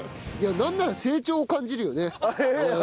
なんなら成長を感じるよね。